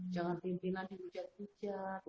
jangan pimpinan di ujat ujat